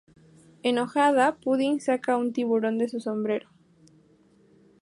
Enojada, Pudding saca un tiburón de su sombrero.